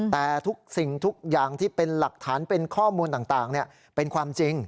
แต่ทุกสิ่งทุกอย่างที่เป็นหลักฐานเป็นข้อมูลต่างเป็นความจริง